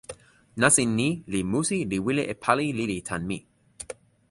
nasin ni li musi li wile e pali lili tan mi.